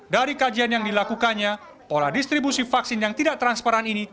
dari kajian yang dilakukannya pola distribusi vaksin yang tidak transparan ini